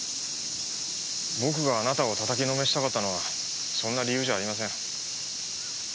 僕があなたを叩きのめしたかったのはそんな理由じゃありません。